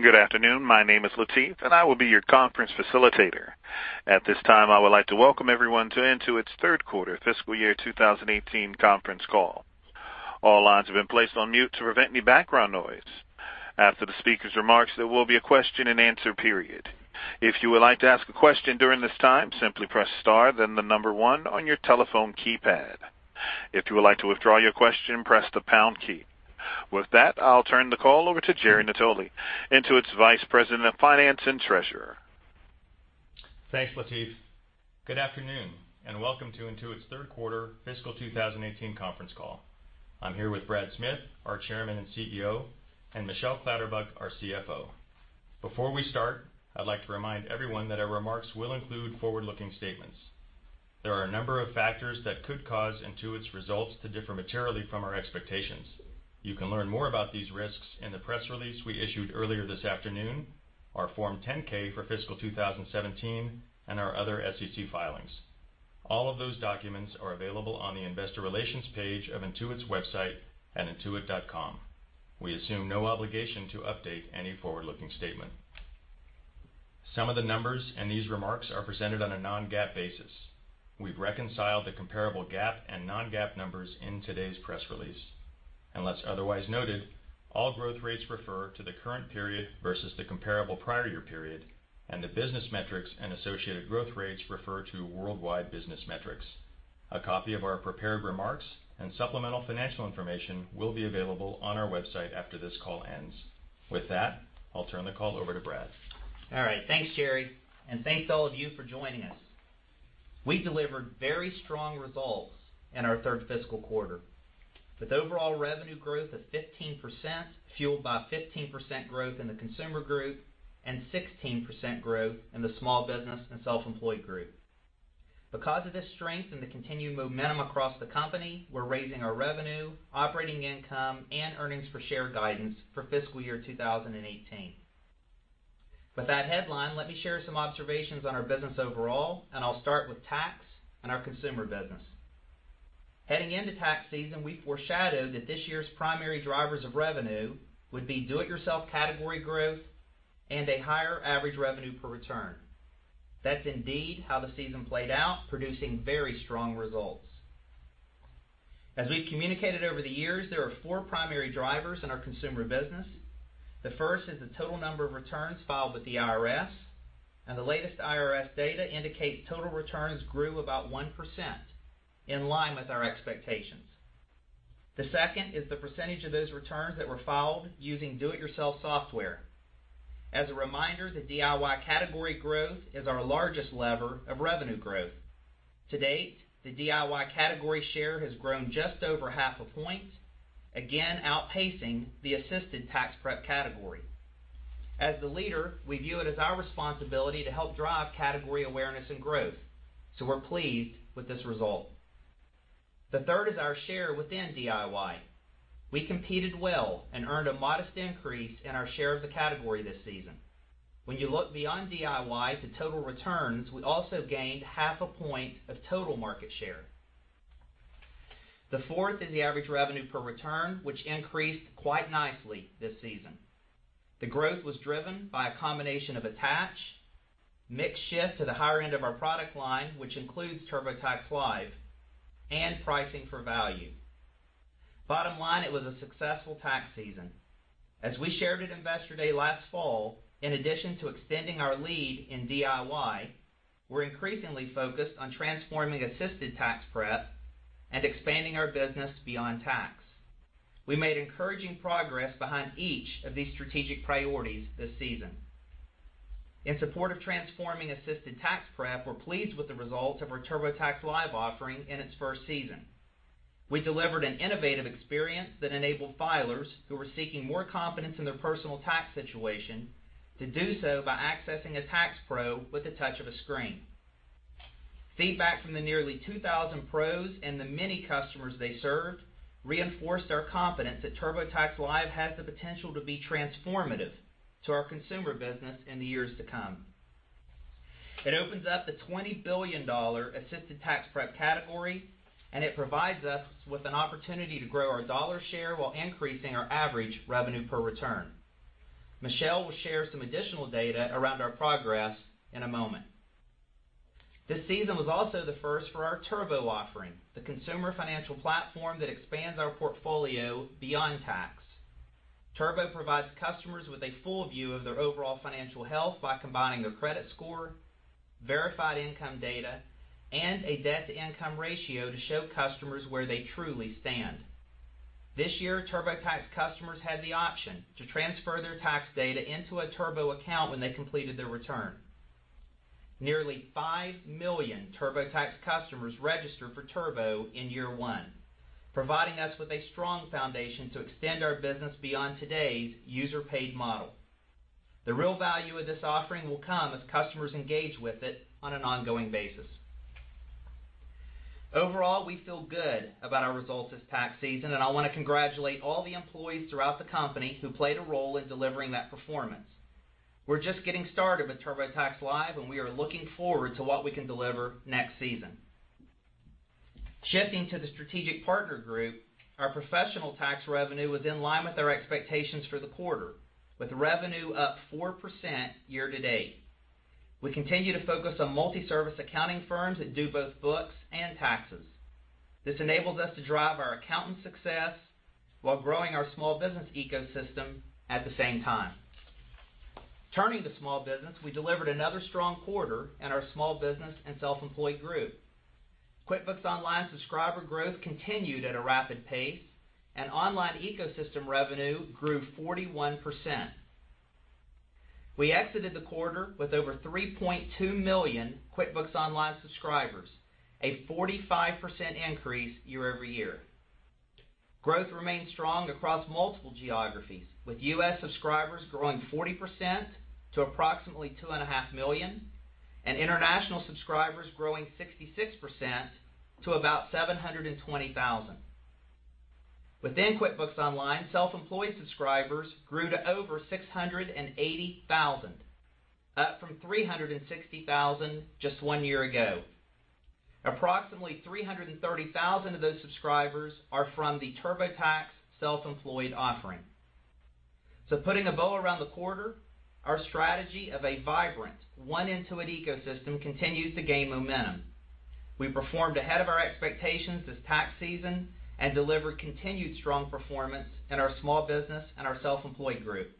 Good afternoon. My name is Latif, and I will be your conference facilitator. At this time, I would like to welcome everyone to Intuit's third quarter fiscal year 2018 conference call. All lines have been placed on mute to prevent any background noise. After the speaker's remarks, there will be a question and answer period. If you would like to ask a question during this time, simply press star, then the number one on your telephone keypad. If you would like to withdraw your question, press the pound key. With that, I'll turn the call over to Jerry Natoli, Intuit's Vice President of Finance and Treasurer. Thanks, Latif. Good afternoon. Welcome to Intuit's third quarter fiscal 2018 conference call. I'm here with Brad Smith, our Chairman and CEO, and Michelle Clatterbuck, our CFO. Before we start, I'd like to remind everyone that our remarks will include forward-looking statements. There are a number of factors that could cause Intuit's results to differ materially from our expectations. You can learn more about these risks in the press release we issued earlier this afternoon, our Form 10-K for fiscal 2017, and our other SEC filings. All of those documents are available on the investor relations page of intuit.com. We assume no obligation to update any forward-looking statement. Some of the numbers in these remarks are presented on a non-GAAP basis. We've reconciled the comparable GAAP and non-GAAP numbers in today's press release. Unless otherwise noted, all growth rates refer to the current period versus the comparable prior year period. The business metrics and associated growth rates refer to worldwide business metrics. A copy of our prepared remarks and supplemental financial information will be available on our website after this call ends. With that, I'll turn the call over to Brad. All right. Thanks, Jerry. Thanks to all of you for joining us. We delivered very strong results in our third fiscal quarter. With overall revenue growth of 15%, fueled by 15% growth in the Consumer Group and 16% growth in the Small Business and Self-Employed Group. Because of this strength and the continued momentum across the company, we're raising our revenue, operating income, and earnings per share guidance for fiscal year 2018. With that headline, let me share some observations on our business overall. I'll start with tax and our consumer business. Heading into tax season, we foreshadowed that this year's primary drivers of revenue would be do it yourself category growth and a higher average revenue per return. That's indeed how the season played out, producing very strong results. As we've communicated over the years, there are four primary drivers in our consumer business. The first is the total number of returns filed with the IRS, and the latest IRS data indicates total returns grew about 1%, in line with our expectations. The second is the percentage of those returns that were filed using do it yourself software. As a reminder, the DIY category growth is our largest lever of revenue growth. To date, the DIY category share has grown just over half a point, again, outpacing the assisted tax prep category. As the leader, we view it as our responsibility to help drive category awareness and growth, so we're pleased with this result. The third is our share within DIY. We competed well and earned a modest increase in our share of the category this season. When you look beyond DIY to total returns, we also gained half a point of total market share. The fourth is the average revenue per return, which increased quite nicely this season. The growth was driven by a combination of attach, mix shift to the higher end of our product line, which includes TurboTax Live, and pricing for value. Bottom line, it was a successful tax season. As we shared at Investor Day last fall, in addition to extending our lead in DIY, we're increasingly focused on transforming assisted tax prep and expanding our business beyond tax. We made encouraging progress behind each of these strategic priorities this season. In support of transforming assisted tax prep, we're pleased with the results of our TurboTax Live offering in its first season. We delivered an innovative experience that enabled filers who were seeking more confidence in their personal tax situation to do so by accessing a tax pro with the touch of a screen. Feedback from the nearly 2,000 pros and the many customers they served reinforced our confidence that TurboTax Live has the potential to be transformative to our consumer business in the years to come. It opens up the $20 billion assisted tax prep category, and it provides us with an opportunity to grow our dollar share while increasing our average revenue per return. Michelle will share some additional data around our progress in a moment. This season was also the first for our Turbo offering, the consumer financial platform that expands our portfolio beyond tax. Turbo provides customers with a full view of their overall financial health by combining their credit score, verified income data, and a debt-to-income ratio to show customers where they truly stand. This year, TurboTax customers had the option to transfer their tax data into a Turbo account when they completed their return. Nearly five million TurboTax customers registered for Turbo in year one, providing us with a strong foundation to extend our business beyond today's user paid model. The real value of this offering will come as customers engage with it on an ongoing basis. Overall, we feel good about our results this tax season, and I want to congratulate all the employees throughout the company who played a role in delivering that performance. We're just getting started with TurboTax Live, and we are looking forward to what we can deliver next season. Shifting to the strategic partner group, our professional tax revenue was in line with our expectations for the quarter, with revenue up 4% year-to-date. We continue to focus on multi-service accounting firms that do both books and taxes. This enables us to drive our accountant success while growing our small business ecosystem at the same time. Turning to small business, we delivered another strong quarter in our Small Business and Self-Employed Group. QuickBooks Online subscriber growth continued at a rapid pace, and online ecosystem revenue grew 41%. We exited the quarter with over 3.2 million QuickBooks Online subscribers, a 45% increase year-over-year. Growth remains strong across multiple geographies, with U.S. subscribers growing 40% to approximately 2.5 million, and international subscribers growing 66% to about 720,000. Within QuickBooks Online, Self-Employed subscribers grew to over 680,000, up from 360,000 just one year ago. Approximately 330,000 of those subscribers are from the TurboTax Self-Employed offering. Putting a bow around the quarter, our strategy of a vibrant one Intuit ecosystem continues to gain momentum. We performed ahead of our expectations this tax season and delivered continued strong performance in our Small Business and Self-Employed Group.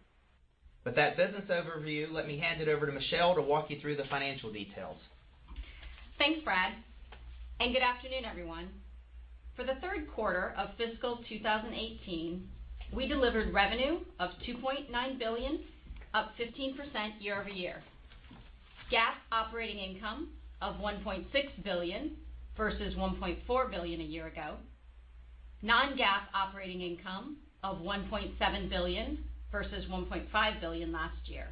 With that business overview, let me hand it over to Michelle to walk you through the financial details. Thanks, Brad, and good afternoon, everyone. For the third quarter of fiscal 2018, we delivered revenue of $2.9 billion, up 15% year-over-year. GAAP operating income of $1.6 billion versus $1.4 billion a year ago. Non-GAAP operating income of $1.7 billion versus $1.5 billion last year.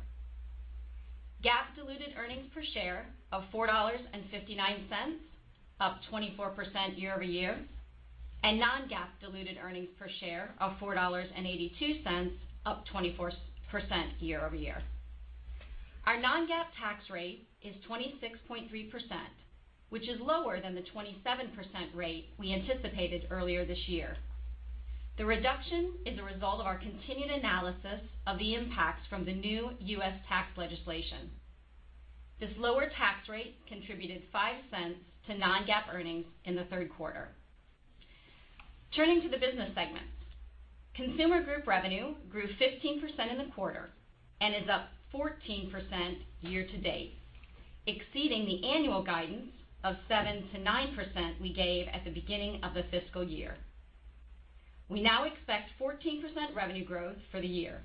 GAAP diluted earnings per share of $4.59, up 24% year-over-year. Non-GAAP diluted earnings per share of $4.82, up 24% year-over-year. Our non-GAAP tax rate is 26.3%, which is lower than the 27% rate we anticipated earlier this year. The reduction is a result of our continued analysis of the impacts from the new U.S. tax legislation. This lower tax rate contributed $0.05 to non-GAAP earnings in the third quarter. Turning to the business segments. Consumer Group revenue grew 15% in the quarter and is up 14% year-to-date, exceeding the annual guidance of 7%-9% we gave at the beginning of the fiscal year. We now expect 14% revenue growth for the year.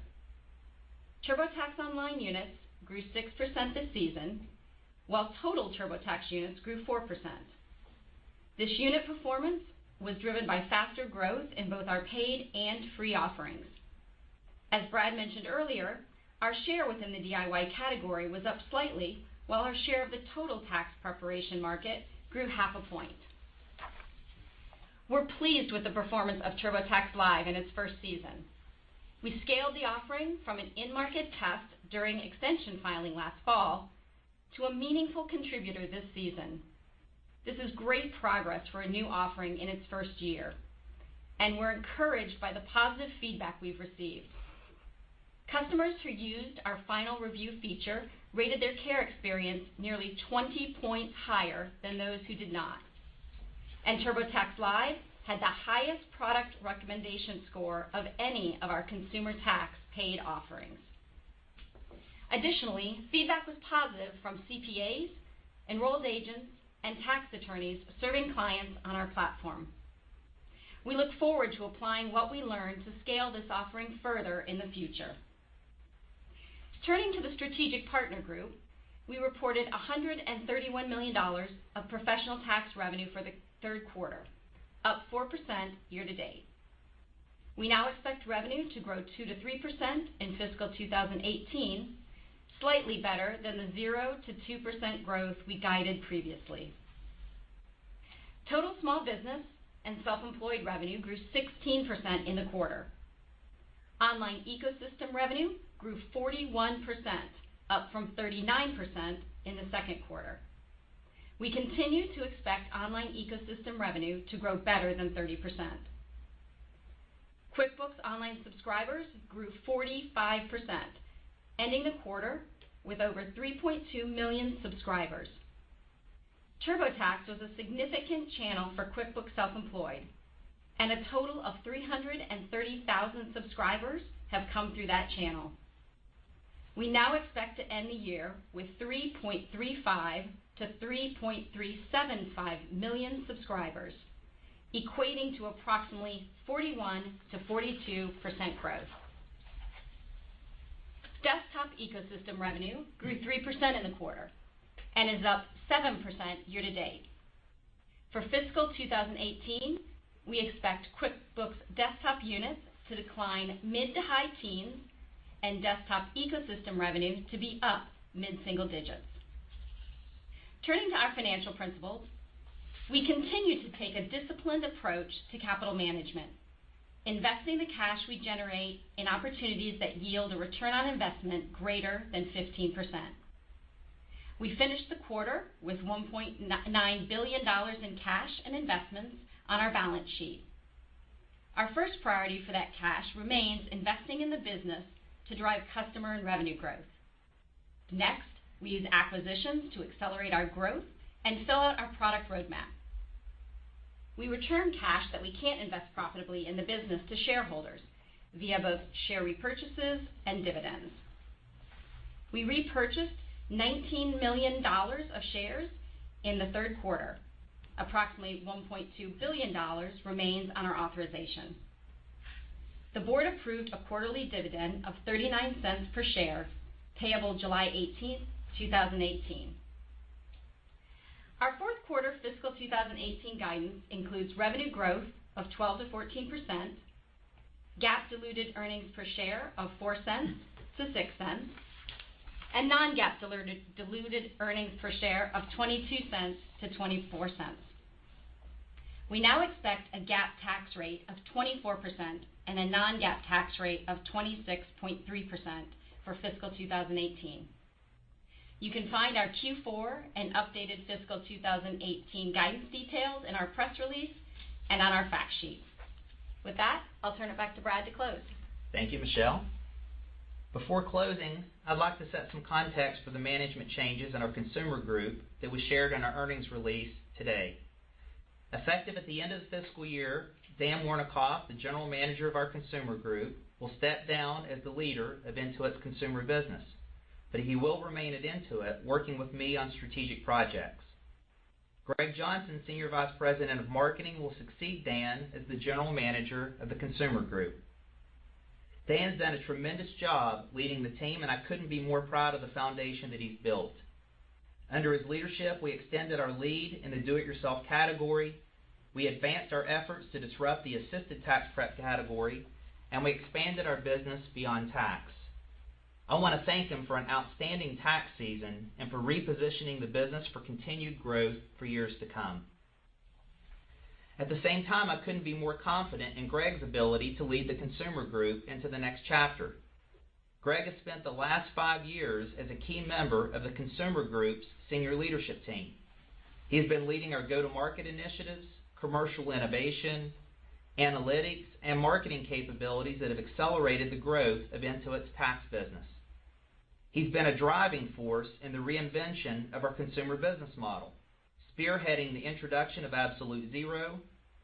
TurboTax Online units grew 6% this season, while total TurboTax units grew 4%. This unit performance was driven by faster growth in both our paid and free offerings. As Brad mentioned earlier, our share within the DIY category was up slightly, while our share of the total tax preparation market grew half a point. We're pleased with the performance of TurboTax Live in its first season. We scaled the offering from an in-market test during extension filing last fall to a meaningful contributor this season. This is great progress for a new offering in its first year, and we're encouraged by the positive feedback we've received. Customers who used our final review feature rated their care experience nearly 20 points higher than those who did not. TurboTax Live had the highest product recommendation score of any of our consumer tax paid offerings. Additionally, feedback was positive from CPAs, enrolled agents, and tax attorneys serving clients on our platform. We look forward to applying what we learned to scale this offering further in the future. Turning to the strategic partner group, we reported $131 million of professional tax revenue for the third quarter, up 4% year-to-date. We now expect revenue to grow 2%-3% in fiscal 2018, slightly better than the 0%-2% growth we guided previously. Total small business and self-employed revenue grew 16% in the quarter. Online ecosystem revenue grew 41%, up from 39% in the second quarter. We continue to expect online ecosystem revenue to grow better than 30%. QuickBooks Online subscribers grew 45%, ending the quarter with over 3.2 million subscribers. TurboTax was a significant channel for QuickBooks Self-Employed, and a total of 330,000 subscribers have come through that channel. We now expect to end the year with 3.35 million-3.375 million subscribers, equating to approximately 41%-42% growth. Desktop ecosystem revenue grew 3% in the quarter and is up 7% year-to-date. For fiscal 2018, we expect QuickBooks Desktop units to decline mid to high teens and desktop ecosystem revenue to be up mid-single digits. Turning to our financial principles, we continue to take a disciplined approach to capital management, investing the cash we generate in opportunities that yield a ROI greater than 15%. We finished the quarter with $1.9 billion in cash and investments on our balance sheet. Our first priority for that cash remains investing in the business to drive customer and revenue growth. Next, we use acquisitions to accelerate our growth and fill out our product roadmap. We return cash that we can't invest profitably in the business to shareholders via both share repurchases and dividends. We repurchased $19 million of shares in the third quarter. Approximately $1.2 billion remains on our authorization. The board approved a quarterly dividend of $0.39 per share, payable July 18th, 2018. Our fourth quarter fiscal 2018 guidance includes revenue growth of 12%-14%, GAAP diluted earnings per share of $0.04-$0.06, and non-GAAP diluted earnings per share of $0.22-$0.24. We now expect a GAAP tax rate of 24% and a non-GAAP tax rate of 26.3% for fiscal 2018. You can find our Q4 and updated fiscal 2018 guidance details in our press release and on our fact sheet. With that, I'll turn it back to Brad to close. Thank you, Michelle. Before closing, I'd like to set some context for the management changes in our consumer group that we shared in our earnings release today. Effective at the end of the fiscal year, Dan Wernikoff, the general manager of our consumer group, will step down as the leader of Intuit's consumer business, but he will remain at Intuit, working with me on strategic projects. Greg Johnson, senior vice president of marketing, will succeed Dan as the general manager of the consumer group. Dan's done a tremendous job leading the team, and I couldn't be more proud of the foundation that he's built. Under his leadership, we extended our lead in the do-it-yourself category, we advanced our efforts to disrupt the assisted tax prep category, and we expanded our business beyond tax. I want to thank him for an outstanding tax season and for repositioning the business for continued growth for years to come. At the same time, I couldn't be more confident in Greg's ability to lead the consumer group into the next chapter. Greg has spent the last five years as a key member of the consumer group's senior leadership team. He's been leading our go-to-market initiatives, commercial innovation, analytics, and marketing capabilities that have accelerated the growth of Intuit's tax business. He's been a driving force in the reinvention of our consumer business model, spearheading the introduction of Absolute Zero,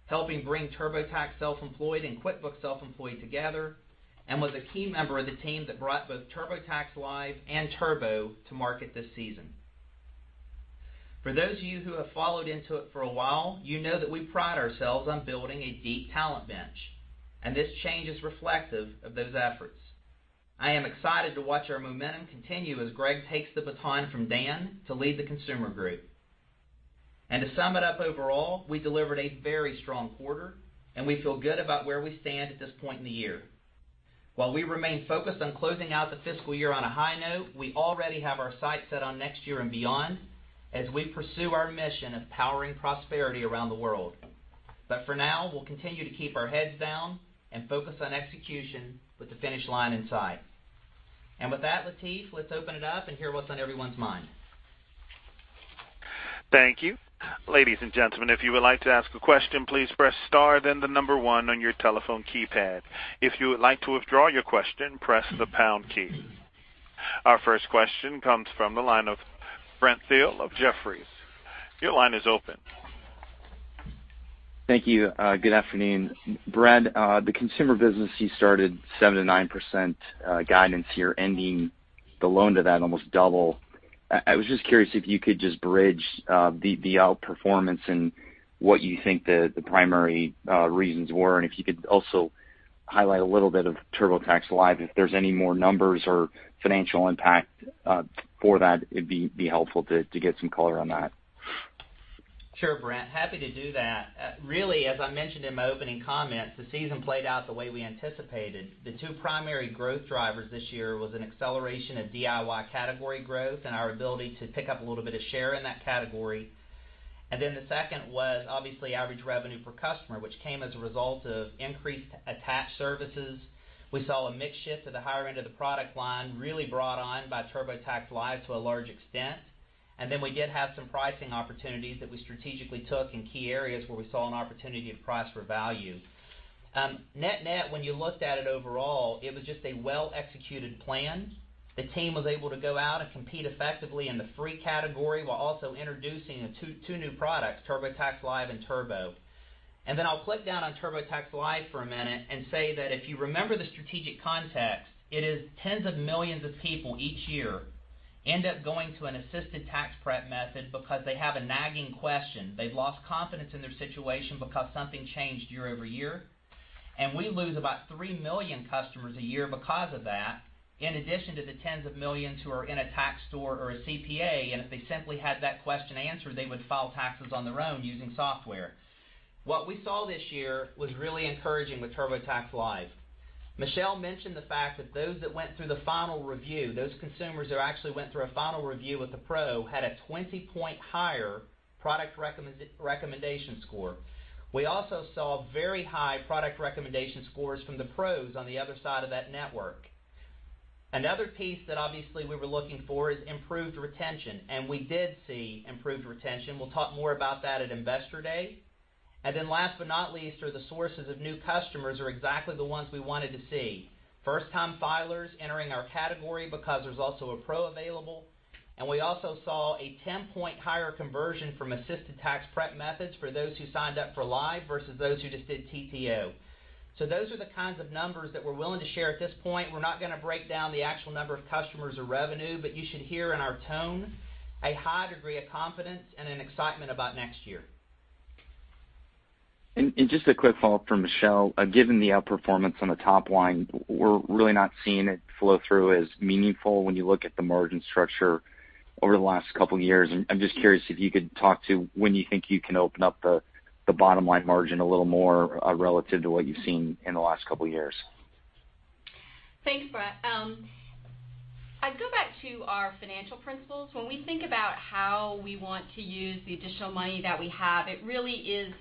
helping bring TurboTax Self-Employed and QuickBooks Self-Employed together, and was a key member of the team that brought both TurboTax Live and Turbo to market this season. For those of you who have followed Intuit for a while, you know that we pride ourselves on building a deep talent bench, and this change is reflective of those efforts. I am excited to watch our momentum continue as Greg takes the baton from Dan to lead the consumer group. To sum it up overall, we delivered a very strong quarter, and we feel good about where we stand at this point in the year. While we remain focused on closing out the fiscal year on a high note, we already have our sights set on next year and beyond as we pursue our mission of powering prosperity around the world. For now, we'll continue to keep our heads down and focus on execution with the finish line in sight. With that, Latif, let's open it up and hear what's on everyone's mind. Thank you. Ladies and gentlemen, if you would like to ask a question, please press star then the number one on your telephone keypad. If you would like to withdraw your question, press the pound key. Our first question comes from the line of Brent Thill of Jefferies. Your line is open. Thank you. Good afternoon. Brad, the consumer business you started, 7%-9% guidance here, ending the loan to that almost double. I was just curious if you could just bridge the outperformance and what you think the primary reasons were, and if you could also highlight a little bit of TurboTax Live, if there's any more numbers or financial impact for that, it'd be helpful to get some color on that. Sure, Brent. Happy to do that. As I mentioned in my opening comments, the season played out the way we anticipated. The two primary growth drivers this year was an acceleration of DIY category growth and our ability to pick up a little bit of share in that category. The second was obviously average revenue per customer, which came as a result of increased attached services. We saw a mix shift to the higher end of the product line, really brought on by TurboTax Live to a large extent. We did have some pricing opportunities that we strategically took in key areas where we saw an opportunity to price for value. Net-net, when you looked at it overall, it was just a well-executed plan. The team was able to go out and compete effectively in the free category while also introducing two new products, TurboTax Live and Turbo. I'll click down on TurboTax Live for a minute and say that if you remember the strategic context, it is tens of millions of people each year end up going to an assisted tax prep method because they have a nagging question. They've lost confidence in their situation because something changed year-over-year. We lose about 3 million customers a year because of that, in addition to the tens of millions who are in a tax store or a CPA, and if they simply had that question answered, they would file taxes on their own using software. What we saw this year was really encouraging with TurboTax Live. Michelle mentioned the fact that those that went through the final review, those consumers who actually went through a final review with a pro, had a 20-point higher product recommendation score. We also saw very high product recommendation scores from the pros on the other side of that network. Another piece that obviously we were looking for is improved retention, we did see improved retention. We'll talk more about that at Investor Day. Last but not least, are the sources of new customers are exactly the ones we wanted to see. First-time filers entering our category because there's also a Pro available. We also saw a 10-point higher conversion from assisted tax prep methods for those who signed up for Live versus those who just did TTO. Those are the kinds of numbers that we're willing to share at this point. We're not going to break down the actual number of customers or revenue, but you should hear in our tone a high degree of confidence and an excitement about next year. Just a quick follow-up from Michelle. Given the outperformance on the top line, we're really not seeing it flow through as meaningful when you look at the margin structure over the last couple of years. I'm just curious if you could talk to when you think you can open up the bottom-line margin a little more, relative to what you've seen in the last couple of years. Thanks, Brent. I'd go back to our financial principles. When we think about how we want to use the additional money that we have, it really is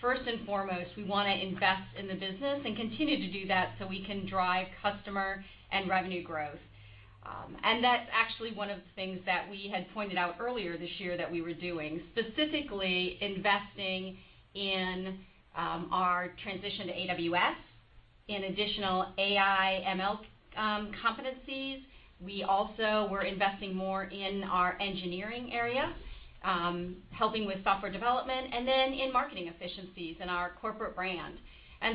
first and foremost, we want to invest in the business and continue to do that so we can drive customer and revenue growth. That's actually one of the things that we had pointed out earlier this year that we were doing, specifically investing in our transition to AWS in additional AI, ML competencies. We also were investing more in our engineering area, helping with software development, then in marketing efficiencies in our corporate brand.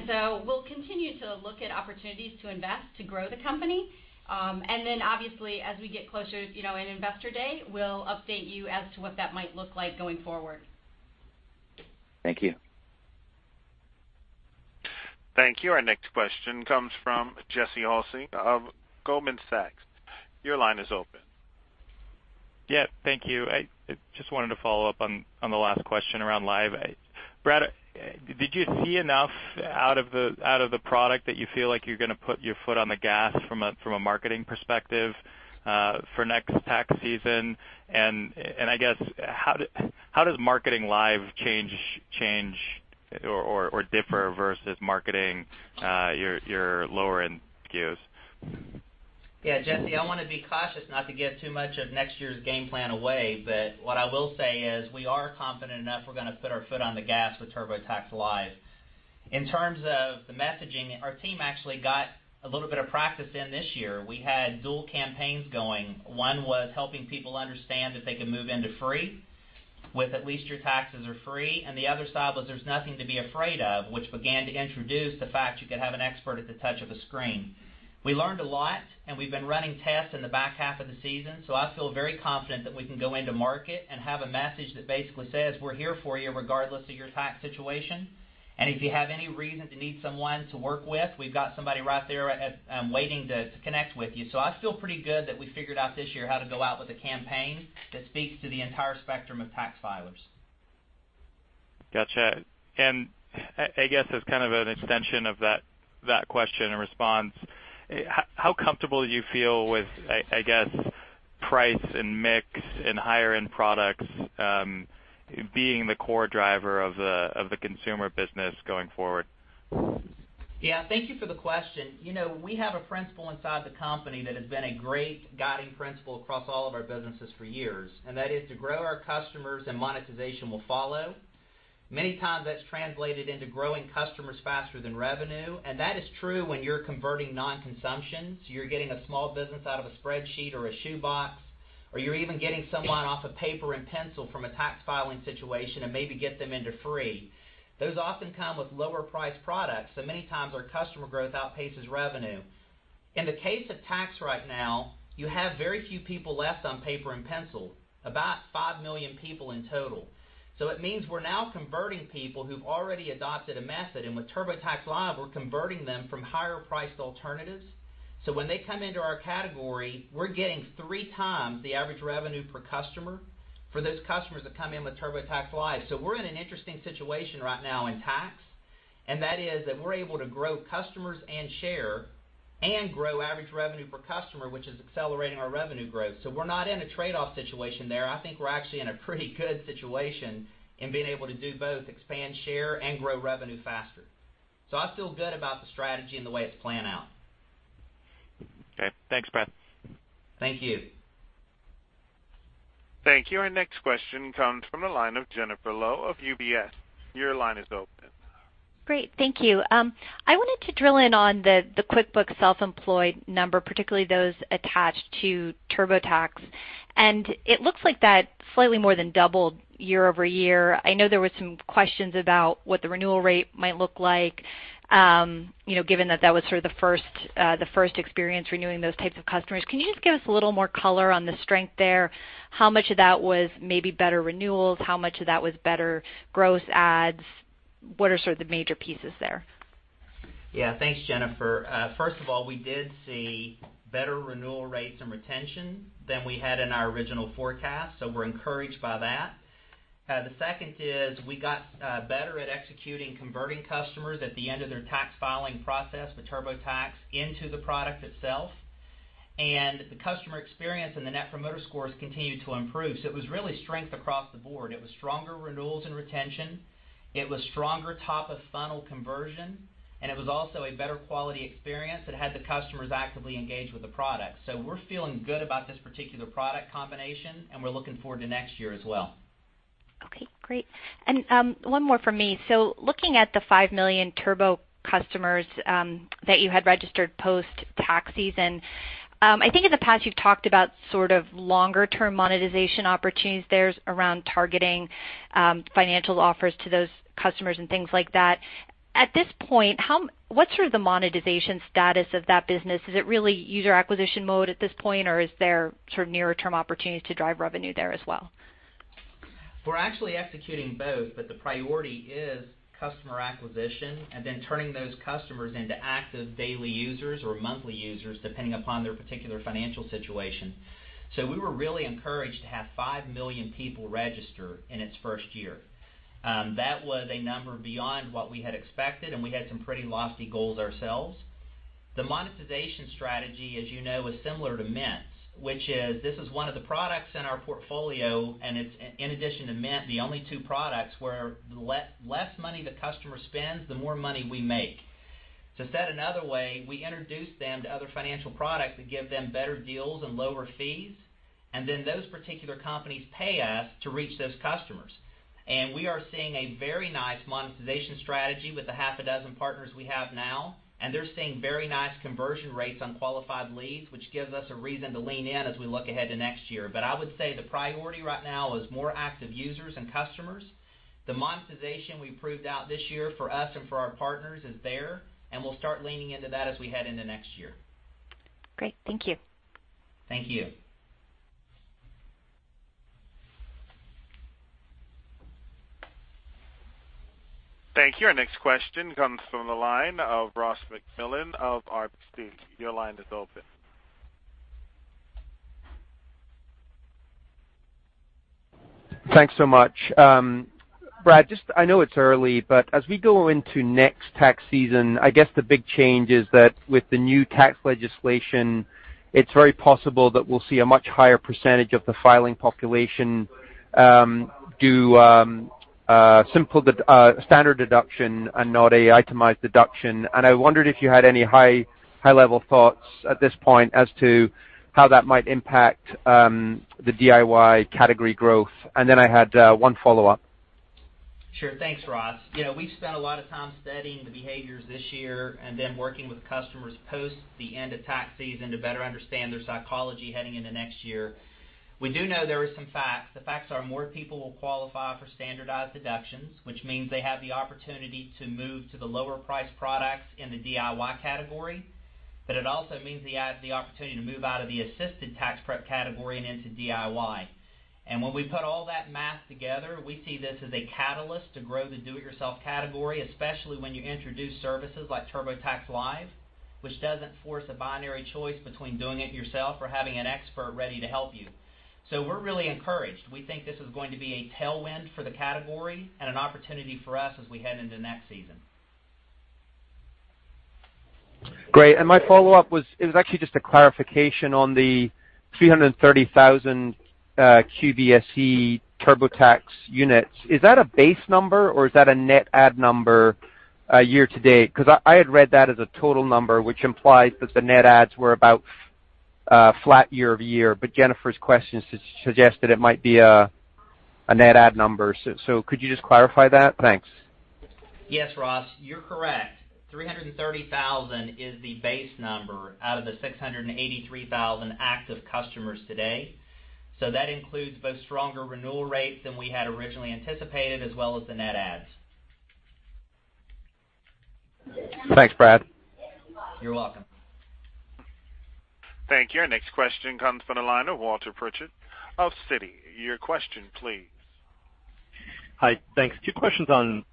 So we'll continue to look at opportunities to invest to grow the company. Then obviously, as we get closer in Investor Day, we'll update you as to what that might look like going forward. Thank you. Thank you. Our next question comes from Jesse Hulsing of Goldman Sachs. Your line is open. Yeah, thank you. I just wanted to follow up on the last question around Live. Brad, did you see enough out of the product that you feel like you're going to put your foot on the gas from a marketing perspective for next tax season? I guess, how does marketing Live change or differ versus marketing your lower-end SKUs? Yeah, Jesse, I want to be cautious not to give too much of next year's game plan away. What I will say is we are confident enough we're going to put our foot on the gas with TurboTax Live. In terms of the messaging, our team actually got a little bit of practice in this year. We had dual campaigns going. One was helping people understand that they could move into Free with At Least Your Taxes Are Free, the other side was There's Nothing to Be Afraid Of, which began to introduce the fact you could have an expert at the touch of a screen. We learned a lot. We've been running tests in the back half of the season. I feel very confident that we can go into market and have a message that basically says, "We're here for you regardless of your tax situation. If you have any reason to need someone to work with, we've got somebody right there waiting to connect with you." I feel pretty good that we figured out this year how to go out with a campaign that speaks to the entire spectrum of tax filers. Got you. I guess as kind of an extension of that question and response, how comfortable do you feel with, I guess, price and mix and higher-end products being the core driver of the consumer business going forward? Yeah. Thank you for the question. We have a principle inside the company that has been a great guiding principle across all of our businesses for years, that is to grow our customers and monetization will follow. Many times that's translated into growing customers faster than revenue, that is true when you're converting non-consumption. You're getting a small business out of a spreadsheet or a shoebox, or you're even getting someone off of paper and pencil from a tax filing situation and maybe get them into Free. Those often come with lower priced products, many times our customer growth outpaces revenue. In the case of tax right now, you have very few people left on paper and pencil, about five million people in total. It means we're now converting people who've already adopted a method, with TurboTax Live, we're converting them from higher priced alternatives. When they come into our category, we're getting three times the average revenue per customer for those customers that come in with TurboTax Live. We're in an interesting situation right now in tax, that is that we're able to grow customers and share and grow average revenue per customer, which is accelerating our revenue growth. We're not in a trade-off situation there. I think we're actually in a pretty good situation in being able to do both expand share and grow revenue faster. I feel good about the strategy and the way it's playing out. Okay. Thanks, Brent. Thank you. Thank you. Our next question comes from the line of Jennifer Lowe of UBS. Your line is open. Great. Thank you. I wanted to drill in on the QuickBooks Self-Employed number, particularly those attached to TurboTax. It looks like that slightly more than doubled year-over-year. I know there were some questions about what the renewal rate might look like given that that was sort of the first experience renewing those types of customers. Can you just give us a little more color on the strength there? How much of that was maybe better renewals? How much of that was better gross adds? What are sort of the major pieces there? Yeah. Thanks, Jennifer. First of all, we did see better renewal rates and retention than we had in our original forecast, so we're encouraged by that. The second is we got better at executing converting customers at the end of their tax filing process with TurboTax into the product itself. The customer experience and the Net Promoter Score continued to improve. It was really strength across the board. It was stronger renewals and retention, it was stronger top-of-funnel conversion, and it was also a better quality experience that had the customers actively engaged with the product. We're feeling good about this particular product combination, and we're looking forward to next year as well. Okay, great. One more from me. Looking at the 5 million Turbo customers that you had registered post-tax season, I think in the past you've talked about sort of longer-term monetization opportunities there around targeting financial offers to those customers and things like that. At this point, what's the monetization status of that business? Is it really user acquisition mode at this point, or are there nearer-term opportunities to drive revenue there as well? We're actually executing both, but the priority is customer acquisition and then turning those customers into active daily users or monthly users, depending upon their particular financial situation. We were really encouraged to have 5 million people register in its first year. That was a number beyond what we had expected, and we had some pretty lofty goals ourselves. The monetization strategy, as you know, is similar to Mint, which is this is one of the products in our portfolio, and it's, in addition to Mint, the only two products where the less money the customer spends, the more money we make. To say it another way, we introduce them to other financial products that give them better deals and lower fees, and then those particular companies pay us to reach those customers. We are seeing a very nice monetization strategy with the half a dozen partners we have now, and they're seeing very nice conversion rates on qualified leads, which gives us a reason to lean in as we look ahead to next year. I would say the priority right now is more active users and customers. The monetization we proved out this year for us and for our partners is there, and we'll start leaning into that as we head into next year. Great. Thank you. Thank you. Thank you. Our next question comes from the line of Ross MacMillan of RBC. Your line is open. Thanks so much. Brad, I know it's early, but as we go into next tax season, I guess the big change is that with the new tax legislation, it's very possible that we'll see a much higher % of the filing population do standard deduction and not an itemized deduction. I wondered if you had any high-level thoughts at this point as to how that might impact the DIY category growth. I had one follow-up. Sure. Thanks, Ross. We've spent a lot of time studying the behaviors this year and then working with customers post the end of tax season to better understand their psychology heading into next year. We do know there are some facts. The facts are more people will qualify for standardized deductions, which means they have the opportunity to move to the lower priced products in the DIY category, but it also means they have the opportunity to move out of the assisted tax prep category and into DIY. When we put all that math together, we see this as a catalyst to grow the do-it-yourself category, especially when you introduce services like TurboTax Live, which doesn't force a binary choice between doing it yourself or having an expert ready to help you. We're really encouraged. We think this is going to be a tailwind for the category and an opportunity for us as we head into next season. Great. My follow-up was actually just a clarification on the 330,000 QBSE TurboTax units. Is that a base number or is that a net add number year to date? Because I had read that as a total number, which implies that the net adds were about flat year-over-year, but Jennifer's question suggested it might be a net add number. Could you just clarify that? Thanks. Yes, Ross, you're correct. 330,000 is the base number out of the 683,000 active customers today. That includes both stronger renewal rates than we had originally anticipated, as well as the net adds. Thanks, Brad. You're welcome. Thank you. Our next question comes from the line of Walter Pritchard of Citi. Your question please. Hi, thanks. Two questions on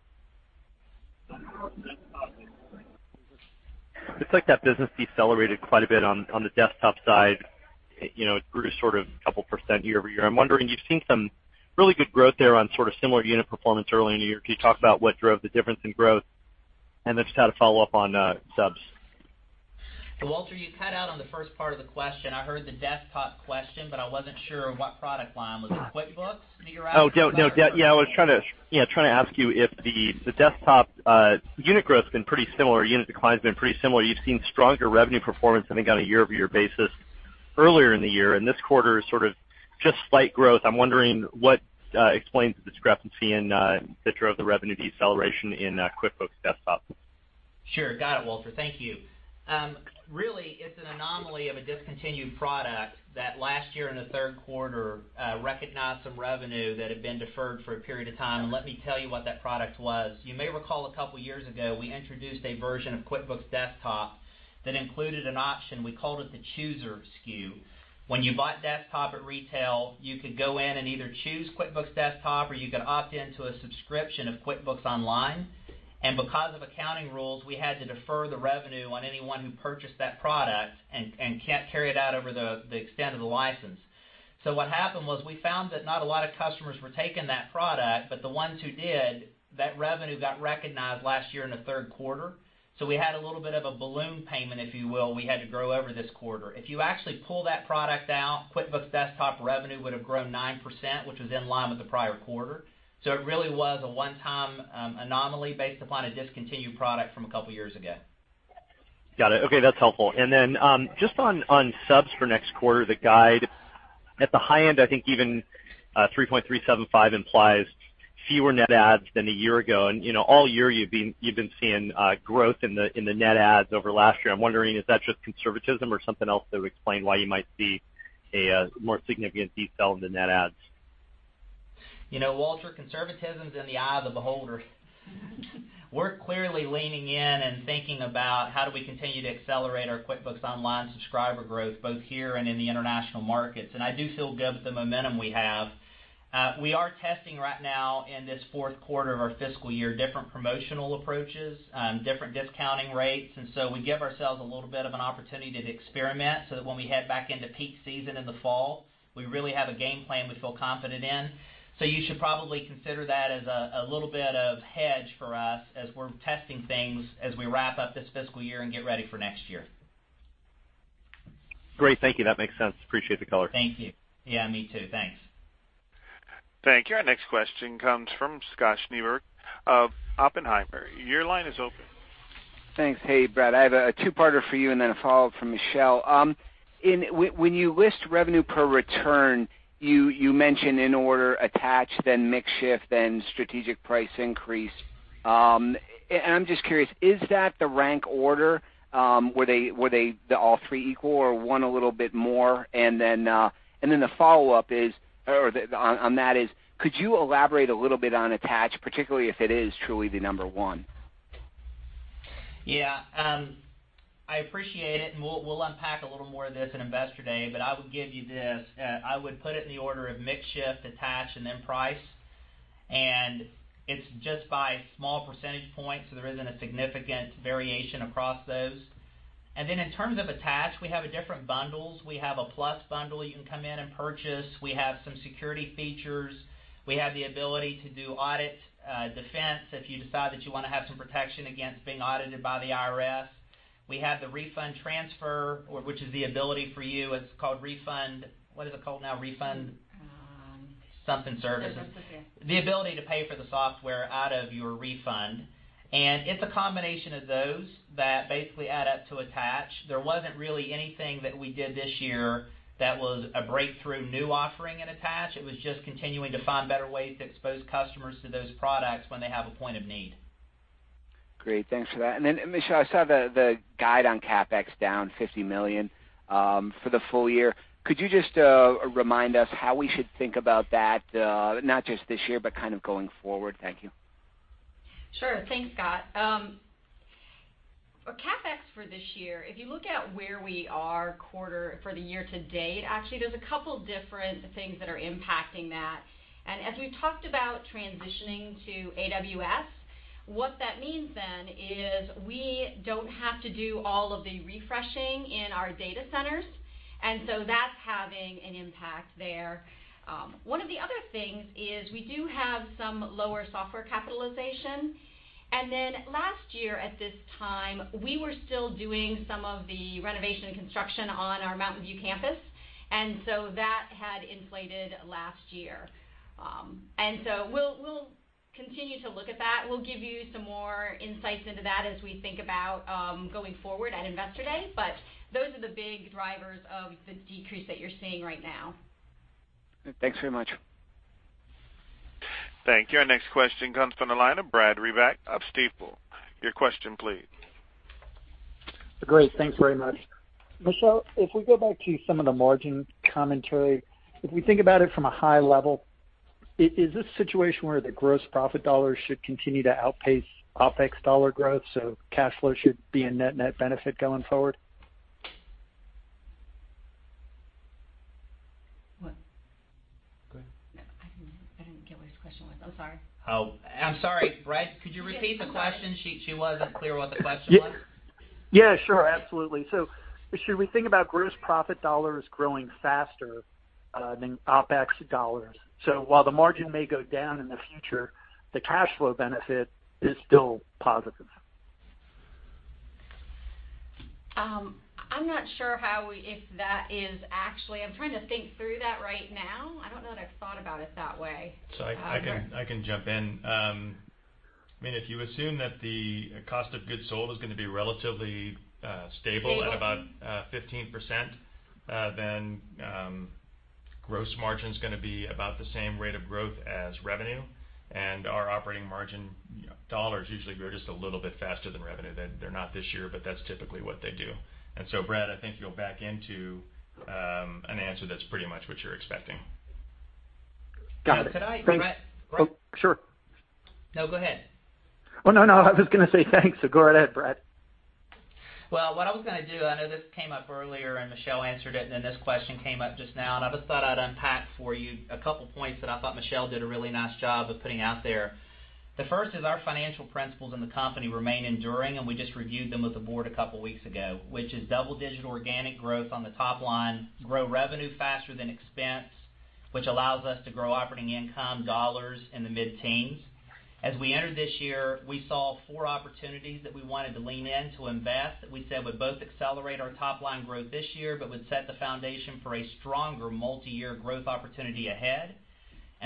just like that business decelerated quite a bit on the desktop side. It grew sort of a couple of percent year-over-year. I'm wondering, you've seen some really good growth there on sort of similar unit performance early in the year. Can you talk about what drove the difference in growth? Just had a follow-up on subs. Walter, you cut out on the first part of the question. I heard the desktop question, but I wasn't sure what product line. Was it QuickBooks you were asking about? Oh, yeah. I was trying to ask you if the Desktop unit growth's been pretty similar, unit decline's been pretty similar. You've seen stronger revenue performance, I think, on a year-over-year basis earlier in the year, and this quarter is sort of just slight growth. I'm wondering what explains the discrepancy and that drove the revenue deceleration in QuickBooks Desktop. Got it, Walter. Thank you. It's an anomaly of a discontinued product that last year in the third quarter recognized some revenue that had been deferred for a period of time, and let me tell you what that product was. You may recall a couple of years ago, we introduced a version of QuickBooks Desktop that included an option. We called it the Chooser SKU. When you bought Desktop at retail, you could go in and either choose QuickBooks Desktop or you could opt in to a subscription of QuickBooks Online. Because of accounting rules, we had to defer the revenue on anyone who purchased that product and carry it out over the extent of the license. What happened was we found that not a lot of customers were taking that product, the ones who did, that revenue got recognized last year in the third quarter. We had a little bit of a balloon payment, if you will, we had to grow over this quarter. If you actually pull that product out, QuickBooks Desktop revenue would have grown 9%, which was in line with the prior quarter. It really was a one-time anomaly based upon a discontinued product from a couple of years ago. Got it. Okay, that's helpful. Then just on subs for next quarter, the guide at the high end, I think even 3.375 implies fewer net adds than a year ago. All year you've been seeing growth in the net adds over last year. I'm wondering, is that just conservatism or something else that would explain why you might see a more significant decel in the net adds? Walter, conservatism's in the eye of the beholder. We're clearly leaning in and thinking about how do we continue to accelerate our QuickBooks Online subscriber growth, both here and in the international markets. I do feel good with the momentum we have. We are testing right now, in this fourth quarter of our fiscal year, different promotional approaches, different discounting rates. We give ourselves a little bit of an opportunity to experiment so that when we head back into peak season in the fall, we really have a game plan we feel confident in. You should probably consider that as a little bit of hedge for us as we're testing things as we wrap up this fiscal year and get ready for next year. Great. Thank you. That makes sense. Appreciate the color. Thank you. Yeah, me too. Thanks. Thank you. Our next question comes from Scott Schneeberger of Oppenheimer. Your line is open. Thanks. Hey, Brad, I have a two-parter for you, and then a follow-up from Michelle. When you list revenue per return, you mention in order attach, then mix shift, then strategic price increase. I'm just curious, is that the rank order? Were all three equal or one a little bit more? The follow-up on that is, could you elaborate a little bit on attach, particularly if it is truly the number one? Yeah. I appreciate it, and we'll unpack a little more of this at Investor Day, but I would give you this. I would put it in the order of mix shift, attach, and then price. It's just by small percentage points, so there isn't a significant variation across those. In terms of attach, we have different bundles. We have a plus bundle you can come in and purchase. We have some security features. We have the ability to do audit defense if you decide that you want to have some protection against being audited by the IRS. We have the refund transfer, which is the ability for you, it's called Refund What is it called now? Refund something services. Refund security. The ability to pay for the software out of your refund. It's a combination of those that basically add up to attach. There wasn't really anything that we did this year that was a breakthrough new offering in attach. It was just continuing to find better ways to expose customers to those products when they have a point of need. Great. Thanks for that. Michelle, I saw the guide on CapEx down $50 million for the full year. Could you just remind us how we should think about that, not just this year, but kind of going forward? Thank you. Sure. Thanks, Scott. CapEx for this year, if you look at where we are for the year to date, actually, there's a couple different things that are impacting that. As we talked about transitioning to AWS, what that means then is we don't have to do all of the refreshing in our data centers, that's having an impact there. One of the other things is we do have some lower software capitalization. Last year at this time, we were still doing some of the renovation construction on our Mountain View campus, that had inflated last year. We'll continue to look at that. We'll give you some more insights into that as we think about going forward at Investor Day. Those are the big drivers of the decrease that you're seeing right now. Thanks very much. Thank you. Our next question comes from the line of Brad Reback of Stifel. Your question, please. Great. Thanks very much. Michelle, if we go back to some of the margin commentary, if we think about it from a high level, is this a situation where the gross profit dollars should continue to outpace OpEx dollar growth, so cash flow should be a net benefit going forward? What? Go ahead. I didn't get what his question was. I'm sorry. I'm sorry, Brad, could you repeat the question? She wasn't clear what the question was. Yeah, sure. Absolutely. Should we think about gross profit dollars growing faster than OpEx dollars? While the margin may go down in the future, the cash flow benefit is still positive. I'm not sure if that is actually I'm trying to think through that right now. I don't know that I've thought about it that way. I can jump in. If you assume that the cost of goods sold is going to be relatively stable at about 15%, then gross margin's going to be about the same rate of growth as revenue, and our operating margin dollars usually grow just a little bit faster than revenue. They're not this year, but that's typically what they do. Brad, I think you'll back into an answer that's pretty much what you're expecting. Got it. Thanks. Brad? Sure. No, go ahead. Oh, no. I was going to say thanks. Go right ahead, Brad. Well, what I was going to do, I know this came up earlier, and Michelle answered it. Then this question came up just now, and I just thought I'd unpack for you a couple points that I thought Michelle did a really nice job of putting out there. The first is our financial principles in the company remain enduring. We just reviewed them with the Board a couple weeks ago, which is double-digit organic growth on the top-line, grow revenue faster than expense, which allows us to grow operating income dollars in the mid-teens. As we entered this year, we saw four opportunities that we wanted to lean in to invest, that we said would both accelerate our top-line growth this year, but would set the foundation for a stronger multi-year growth opportunity ahead.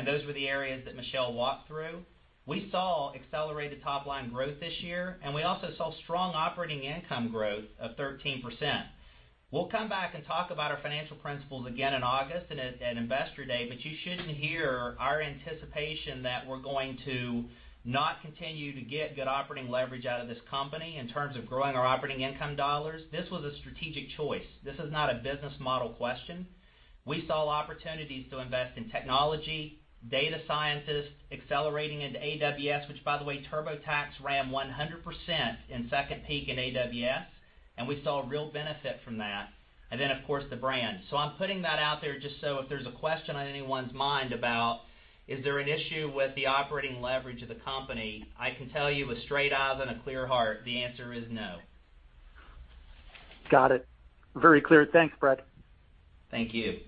Those were the areas that Michelle walked through. We saw accelerated top-line growth this year. We also saw strong operating income growth of 13%. We'll come back and talk about our financial principles again in August and at Investor Day. You shouldn't hear our anticipation that we're going to not continue to get good operating leverage out of this company in terms of growing our operating income dollars. This was a strategic choice. This is not a business model question. We saw opportunities to invest in technology, data scientists, accelerating into AWS, which by the way, TurboTax ran 100% in second peak in AWS, and we saw a real benefit from that. Then, of course, the brand. I'm putting that out there just so if there's a question on anyone's mind about is there an issue with the operating leverage of the company, I can tell you with straight eyes and a clear heart, the answer is no. Got it. Very clear. Thanks, Brad. Thank you.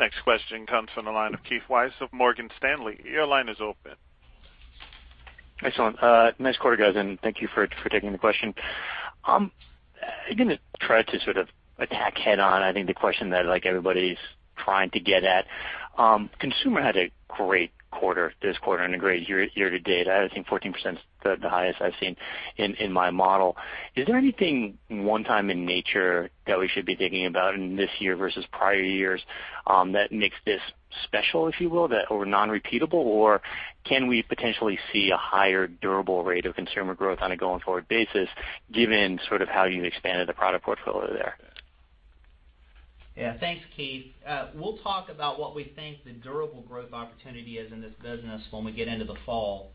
Next question comes from the line of Keith Weiss of Morgan Stanley. Your line is open. Excellent. Nice quarter, guys, and thank you for taking the question. I'm going to try to sort of attack head-on I think the question that everybody's trying to get at. Consumer had a great quarter this quarter and a great year to date. I think 14% is the highest I've seen in my model. Is there anything one-time in nature that we should be thinking about in this year versus prior years that makes this special, if you will, that or non-repeatable? Or can we potentially see a higher durable rate of consumer growth on a going forward basis given sort of how you've expanded the product portfolio there? Yeah. Thanks, Keith. We'll talk about what we think the durable growth opportunity is in this business when we get into the fall.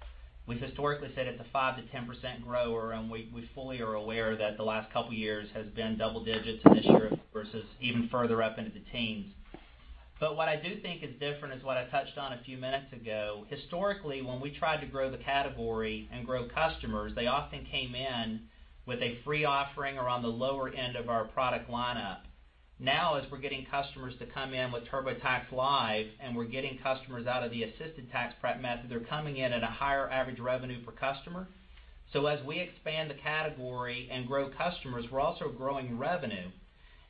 We've historically said it's a 5%-10% grower, we fully are aware that the last couple of years has been double digits and this year versus even further up into the teens. What I do think is different is what I touched on a few minutes ago. Historically, when we tried to grow the category and grow customers, they often came in with a free offering around the lower end of our product lineup. Now, as we're getting customers to come in with TurboTax Live, we're getting customers out of the assisted tax prep method, they're coming in at a higher average revenue per customer. As we expand the category and grow customers, we're also growing revenue.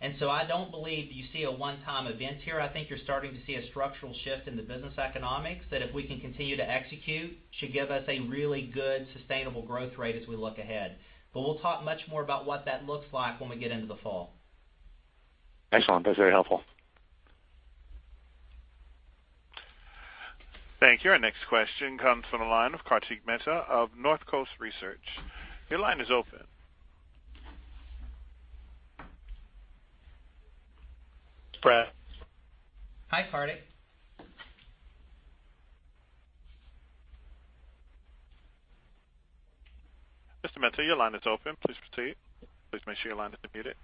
I don't believe you see a one-time event here. I think you're starting to see a structural shift in the business economics that if we can continue to execute, should give us a really good sustainable growth rate as we look ahead. We'll talk much more about what that looks like when we get into the fall. Excellent. That's very helpful. Thank you. Our next question comes from the line of Kartik Mehta of Northcoast Research. Your line is open. Brad? Hi, Kartik. Mr. Mehta, your line is open. Please proceed. Please make sure your line isn't muted.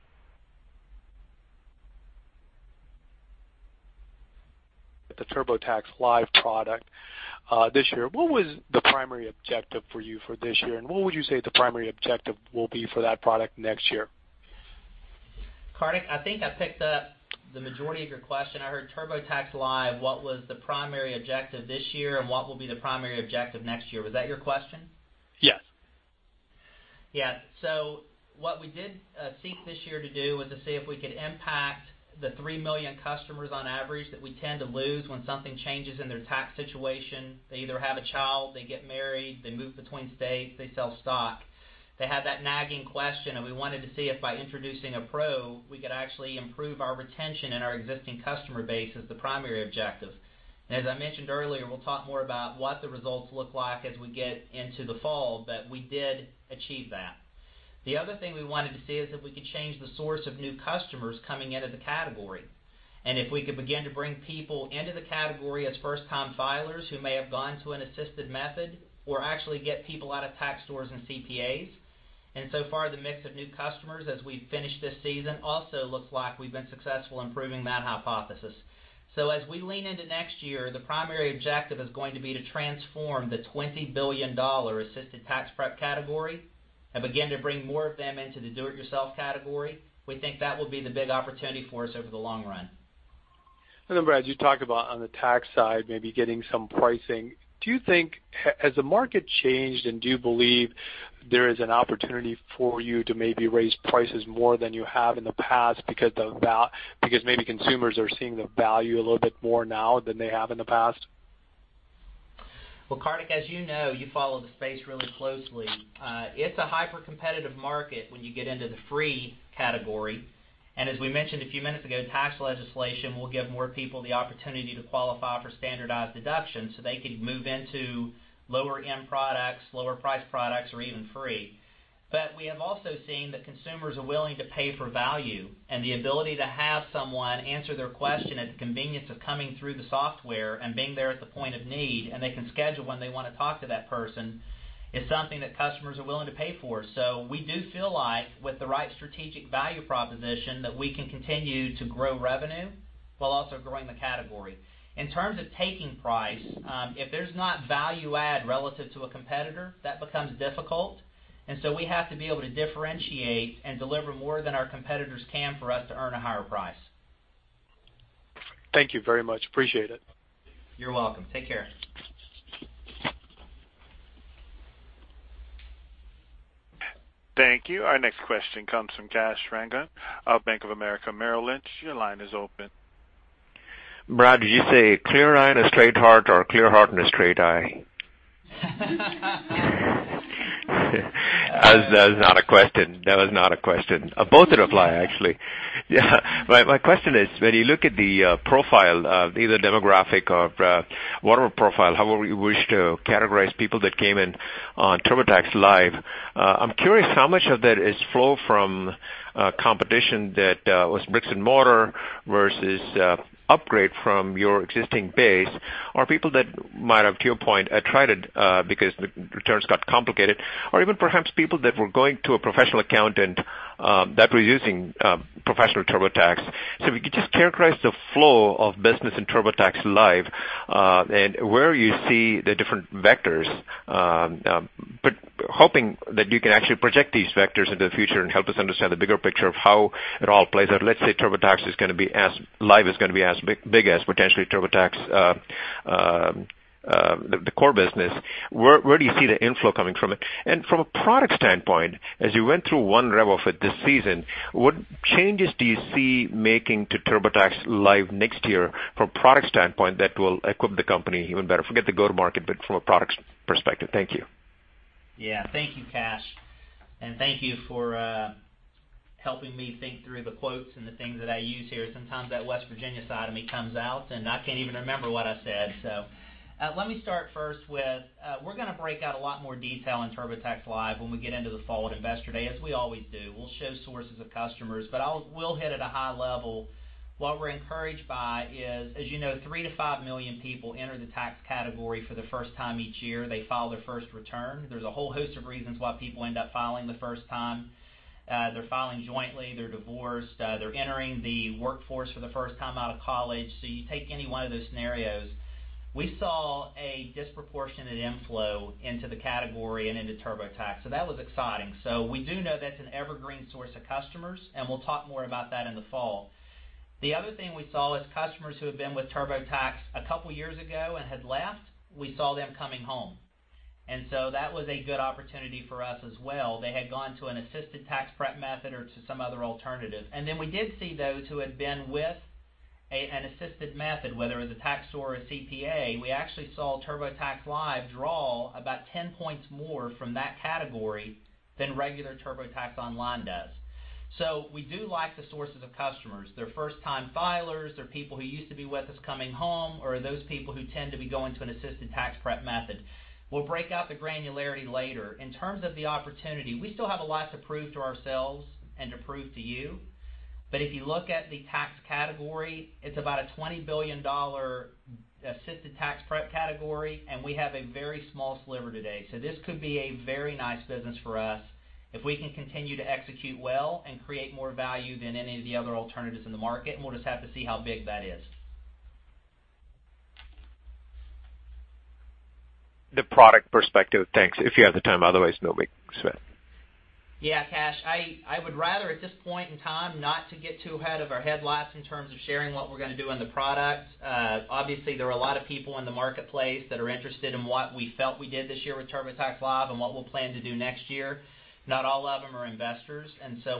The TurboTax Live product this year, what was the primary objective for you for this year, and what would you say the primary objective will be for that product next year? Kartik, I think I picked up the majority of your question. I heard TurboTax Live, what was the primary objective this year, and what will be the primary objective next year? Was that your question? Yes. What we did seek this year to do was to see if we could impact the 3 million customers on average that we tend to lose when something changes in their tax situation. They either have a child, they get married, they move between states, they sell stock. They have that nagging question, and we wanted to see if by introducing a pro, we could actually improve our retention and our existing customer base as the primary objective. As I mentioned earlier, we'll talk more about what the results look like as we get into the fall, but we did achieve that. The other thing we wanted to see is if we could change the source of new customers coming into the category. If we could begin to bring people into the category as first-time filers who may have gone to an assisted method or actually get people out of tax stores and CPAs. So far, the mix of new customers as we finish this season also looks like we've been successful in proving that hypothesis. As we lean into next year, the primary objective is going to be to transform the $20 billion assisted tax prep category and begin to bring more of them into the do-it-yourself category. We think that will be the big opportunity for us over the long run. Then, Brad, you talked about on the tax side, maybe getting some pricing. Do you think as the market changed and do you believe there is an opportunity for you to maybe raise prices more than you have in the past because maybe consumers are seeing the value a little bit more now than they have in the past? Well, Kartik, as you know, you follow the space really closely. It's a hyper-competitive market when you get into the free category. As we mentioned a few minutes ago, tax legislation will give more people the opportunity to qualify for standardized deductions so they could move into lower end products, lower priced products, or even free. We have also seen that consumers are willing to pay for value and the ability to have someone answer their question at the convenience of coming through the software and being there at the point of need, and they can schedule when they want to talk to that person, is something that customers are willing to pay for. We do feel like with the right strategic value proposition, that we can continue to grow revenue while also growing the category. In terms of taking price, if there's not value add relative to a competitor, that becomes difficult. We have to be able to differentiate and deliver more than our competitors can for us to earn a higher price. Thank you very much. Appreciate it. You're welcome. Take care. Thank you. Our next question comes from Kash Rangan of Bank of America Merrill Lynch. Your line is open. Brad, did you say clear eye and a straight heart or a clear heart and a straight eye? That is not a question. Both would apply, actually. Yeah. My question is, when you look at the profile of either demographic or whatever profile, however you wish to categorize people that came in on TurboTax Live, I'm curious how much of that is flow from competition that was bricks and mortar versus upgrade from your existing base or people that might have, to your point, tried it because the returns got complicated, or even perhaps people that were going to a professional accountant that were using Professional TurboTax. If you could just characterize the flow of business in TurboTax Live and where you see the different vectors. Hoping that you can actually project these vectors into the future and help us understand the bigger picture of how it all plays out. Let's say TurboTax Live is going to be as big as, potentially, TurboTax, the core business. Where do you see the inflow coming from? From a product standpoint, as you went through one rev of it this season, what changes do you see making to TurboTax Live next year from a product standpoint that will equip the company even better? Forget the go-to-market, but from a products perspective. Thank you. Yeah. Thank you, Kash. Thank you for helping me think through the quotes and the things that I use here. Sometimes that West Virginia side of me comes out, and I can't even remember what I said. Let me start first with, we're going to break out a lot more detail in TurboTax Live when we get into the fall at Investor Day, as we always do. We'll show sources of customers. I will hit at a high level. What we're encouraged by is, as you know, three to five million people enter the tax category for the first time each year. They file their first return. There's a whole host of reasons why people end up filing the first time. They're filing jointly, they're divorced, they're entering the workforce for the first time out of college. You take any one of those scenarios. We saw a disproportionate inflow into the category and into TurboTax. That was exciting. We do know that's an evergreen source of customers, and we'll talk more about that in the fall. The other thing we saw is customers who had been with TurboTax a couple of years ago and had left, we saw them coming home. That was a good opportunity for us as well. They had gone to an assisted tax prep method or to some other alternative. We did see, those who had been with an assisted method, whether it was a tax store or a CPA, we actually saw TurboTax Live draw about 10 points more from that category than regular TurboTax Online does. We do like the sources of customers. They're first-time filers, they're people who used to be with us coming home, or those people who tend to be going to an assisted tax prep method. We'll break out the granularity later. In terms of the opportunity, we still have a lot to prove to ourselves and to prove to you. If you look at the tax category, it's about a $20 billion assisted tax prep category, and we have a very small sliver today. This could be a very nice business for us if we can continue to execute well and create more value than any of the other alternatives in the market, and we'll just have to see how big that is. The product perspective. Thanks. If you have the time. Otherwise, no big sweat. Yeah, Kash. I would rather, at this point in time, not to get too ahead of our headlights in terms of sharing what we're going to do on the product. Obviously, there are a lot of people in the marketplace that are interested in what we felt we did this year with TurboTax Live and what we'll plan to do next year. Not all of them are investors,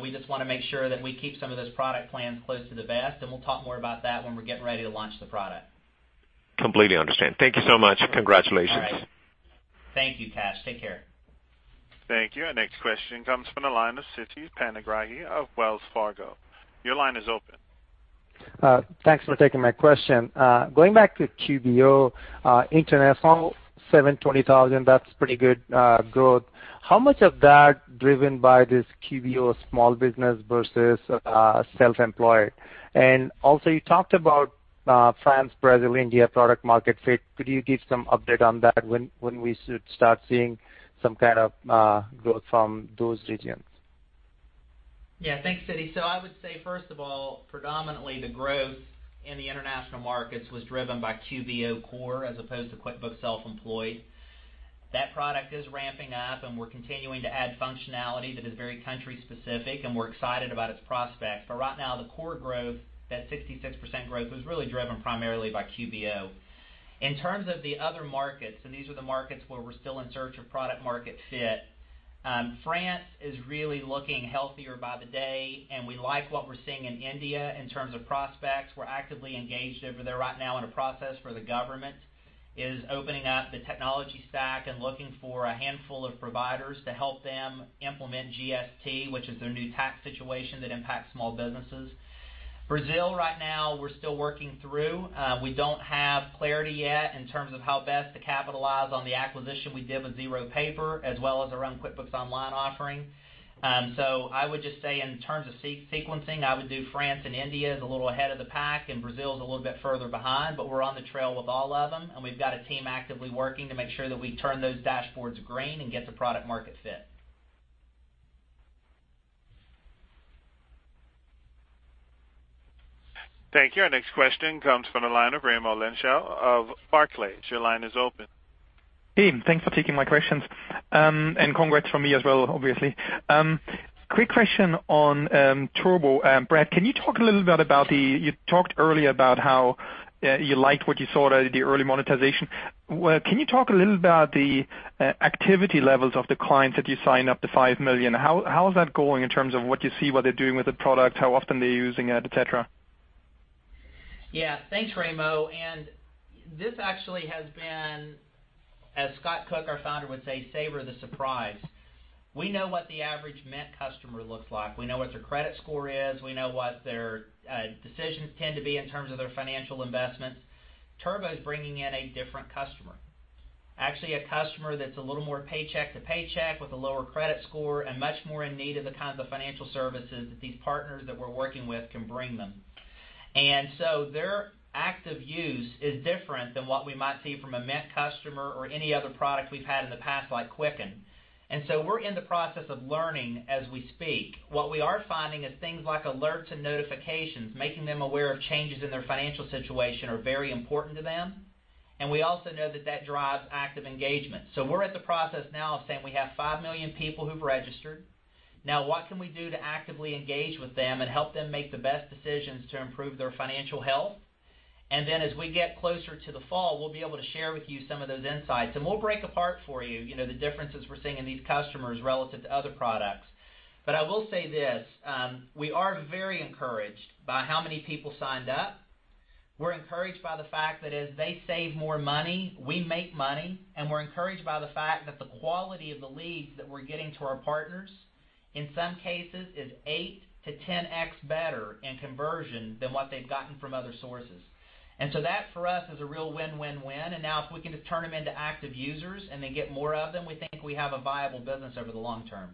we just want to make sure that we keep some of those product plans close to the vest, and we'll talk more about that when we're getting ready to launch the product. Completely understand. Thank you so much. Congratulations. All right. Thank you, Kash. Take care. Thank you. Our next question comes from the line of Siti Panigrahi of Wells Fargo. Your line is open. Thanks for taking my question. Going back to QBO, international, 720,000, that's pretty good growth. How much of that driven by this QBO small business versus self-employed? Also, you talked about France, Brazil, India product market fit. Could you give some update on that, when we should start seeing some kind of growth from those regions? Thanks, Siti. I would say, first of all, predominantly the growth in the international markets was driven by QBO Core as opposed to QuickBooks Self-Employed. That product is ramping up, and we're continuing to add functionality that is very country specific, and we're excited about its prospects. Right now, the core growth, that 66% growth, was really driven primarily by QBO. In terms of the other markets, and these are the markets where we're still in search of product market fit, France is really looking healthier by the day, and we like what we're seeing in India in terms of prospects. We're actively engaged over there right now in a process where the government is opening up the technology stack and looking for a handful of providers to help them implement GST, which is their new tax situation that impacts small businesses. Brazil, right now, we're still working through. We don't have clarity yet in terms of how best to capitalize on the acquisition we did with ZeroPaper, as well as our own QuickBooks Online offering. I would just say in terms of sequencing, I would do France and India is a little ahead of the pack and Brazil is a little bit further behind, but we're on the trail with all of them, and we've got a team actively working to make sure that we turn those dashboards green and get the product market fit. Thank you. Our next question comes from the line of Raimo Lenschow of Barclays. Your line is open. Hey, thanks for taking my questions. Congrats from me as well, obviously. Quick question on Turbo. Brad, you talked earlier about how you liked what you saw out of the early monetization. Can you talk a little about the activity levels of the clients that you sign up to 5 million? How is that going in terms of what you see, what they're doing with the product, how often they're using it, et cetera? Thanks, Raimo. This actually has been, as Scott Cook, our founder, would say, "Savor the surprise." We know what the average Mint customer looks like. We know what their credit score is. We know what their decisions tend to be in terms of their financial investments. Turbo's bringing in a different customer. Actually, a customer that's a little more paycheck to paycheck with a lower credit score, and much more in need of the kinds of financial services that these partners that we're working with can bring them. Their active use is different than what we might see from a Mint customer or any other product we've had in the past, like Quicken. We're in the process of learning as we speak. What we are finding is things like alerts and notifications, making them aware of changes in their financial situation, are very important to them. We also know that that drives active engagement. We're at the process now of saying we have 5 million people who've registered. Now, what can we do to actively engage with them and help them make the best decisions to improve their financial health? Then as we get closer to the fall, we'll be able to share with you some of those insights, and we'll break apart for you the differences we're seeing in these customers relative to other products. I will say this, we are very encouraged by how many people signed up. We're encouraged by the fact that as they save more money, we make money, and we're encouraged by the fact that the quality of the leads that we're getting to our partners, in some cases is 8x-10x better in conversion than what they've gotten from other sources. That, for us, is a real win-win-win. If we can just turn them into active users and then get more of them, we think we have a viable business over the long term.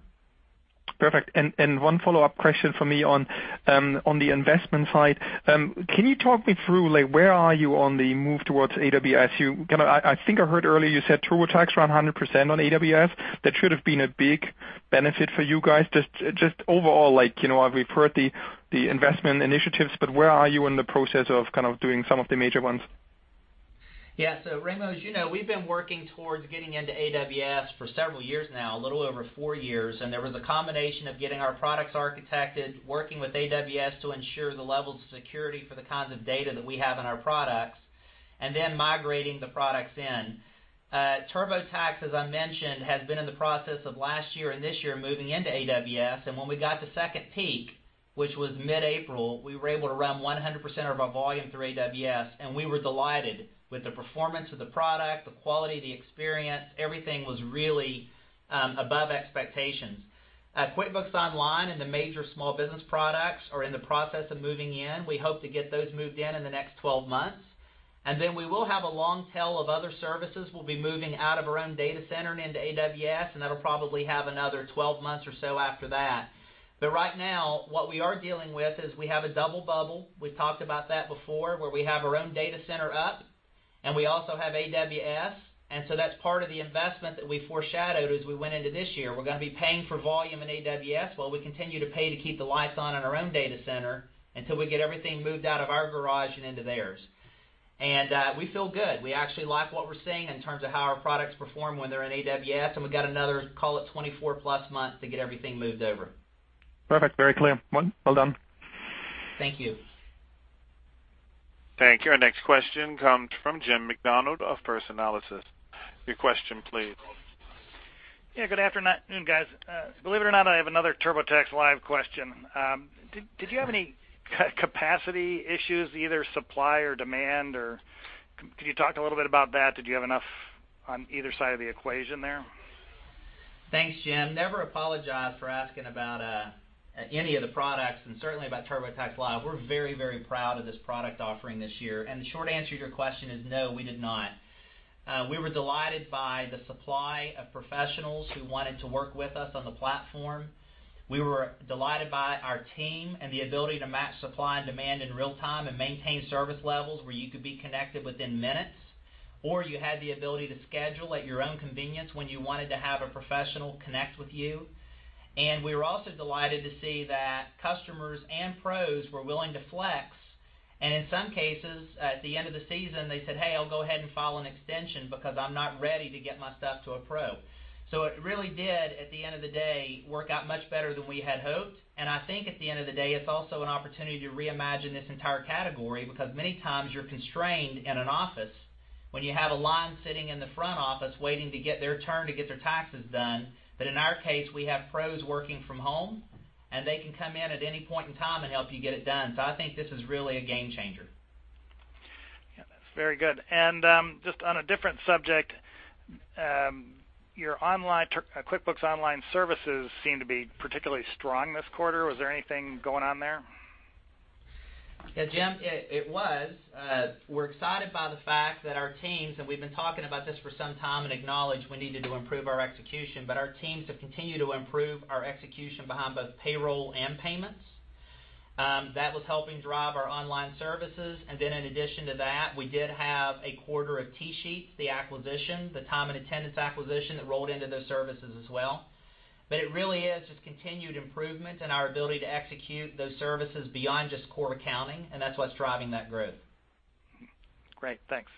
Perfect. One follow-up question from me on the investment side. Can you talk me through, where are you on the move towards AWS? I think I heard earlier you said TurboTax ran 100% on AWS. That should have been a big benefit for you guys. Just overall, we've heard the investment initiatives, but where are you in the process of doing some of the major ones? Raimo, as you know, we've been working towards getting into AWS for several years now, a little over four years, There was a combination of getting our products architected, working with AWS to ensure the level of security for the kinds of data that we have in our products, and then migrating the products in. TurboTax, as I mentioned, has been in the process of last year and this year moving into AWS. When we got to second peak, which was mid-April, we were able to run 100% of our volume through AWS. We were delighted with the performance of the product, the quality of the experience. Everything was really above expectations. QuickBooks Online and the major small business products are in the process of moving in. We hope to get those moved in in the next 12 months. Then we will have a long tail of other services we'll be moving out of our own data center and into AWS, That'll probably have another 12 months or so after that. Right now, what we are dealing with is we have a double bubble. We've talked about that before, where we have our own data center up, and we also have AWS. That's part of the investment that we foreshadowed as we went into this year. We're going to be paying for volume in AWS while we continue to pay to keep the lights on in our own data center until we get everything moved out of our garage and into theirs. We feel good. We actually like what we're seeing in terms of how our products perform when they're in AWS, We've got another, call it 24 plus months to get everything moved over. Perfect. Very clear. Well done. Thank you. Thank you. Our next question comes from Jim Macdonald of First Analysis. Your question please. Good afternoon, guys. Believe it or not, I have another TurboTax Live question. Did you have any capacity issues, either supply or demand, or could you talk a little bit about that? Did you have enough on either side of the equation there? Thanks, Jim. Never apologize for asking about any of the products, and certainly about TurboTax Live. We're very proud of this product offering this year. The short answer to your question is no, we did not. We were delighted by the supply of professionals who wanted to work with us on the platform. We were delighted by our team and the ability to match supply and demand in real time and maintain service levels where you could be connected within minutes, or you had the ability to schedule at your own convenience when you wanted to have a professional connect with you. We were also delighted to see that customers and pros were willing to flex, and in some cases, at the end of the season, they said, "Hey, I'll go ahead and file an extension because I'm not ready to get my stuff to a pro." It really did, at the end of the day, work out much better than we had hoped. I think at the end of the day, it's also an opportunity to reimagine this entire category because many times you're constrained in an office when you have a line sitting in the front office waiting to get their turn to get their taxes done. In our case, we have pros working from home, and they can come in at any point in time and help you get it done. I think this is really a game changer. Yeah. That's very good. Just on a different subject, your QuickBooks Online services seem to be particularly strong this quarter. Was there anything going on there? Yeah, Jim, it was. We're excited by the fact that our teams, we've been talking about this for some time and acknowledge we needed to improve our execution, our teams have continued to improve our execution behind both payroll and payments. That was helping drive our online services. In addition to that, we did have a quarter of TSheets, the acquisition, the time and attendance acquisition that rolled into those services as well. It really is just continued improvement in our ability to execute those services beyond just core accounting, and that's what's driving that growth. Great. Thanks.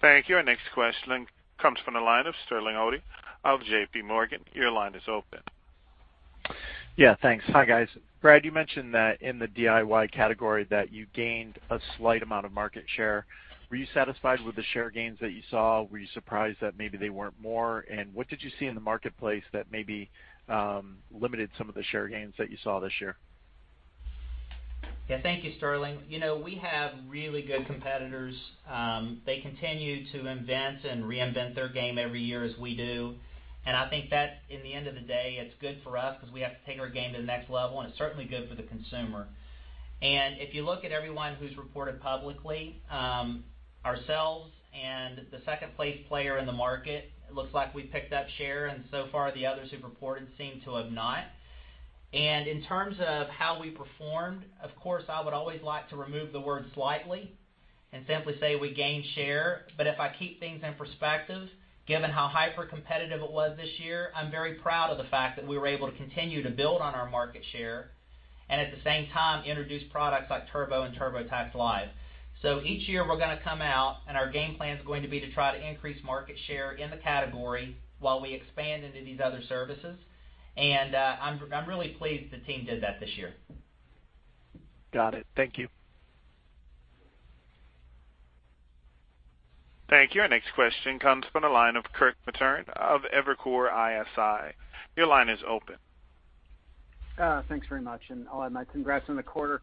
Thank you. Our next question comes from the line of Sterling Auty of J.P. Morgan. Your line is open. Yeah, thanks. Hi, guys. Brad, you mentioned that in the DIY category that you gained a slight amount of market share. Were you satisfied with the share gains that you saw? Were you surprised that maybe they weren't more? What did you see in the marketplace that maybe limited some of the share gains that you saw this year? Yeah, thank you, Sterling. We have really good competitors. They continue to invent and reinvent their game every year as we do. I think that, in the end of the day, it's good for us because we have to take our game to the next level, and it's certainly good for the consumer. If you look at everyone who's reported publicly, ourselves and the second-place player in the market, it looks like we picked up share, and so far, the others who've reported seem to have not. In terms of how we performed, of course, I would always like to remove the word slightly and simply say we gained share. If I keep things in perspective, given how hyper-competitive it was this year, I'm very proud of the fact that we were able to continue to build on our market share, and at the same time introduce products like Turbo and TurboTax Live. Each year we're going to come out and our game plan is going to be to try to increase market share in the category while we expand into these other services. I'm really pleased the team did that this year. Got it. Thank you. Thank you. Our next question comes from the line of Kirk Materne of Evercore ISI. Your line is open. Thanks very much. I'll add my congrats on the quarter.